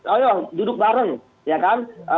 ayo duduk bareng ya kan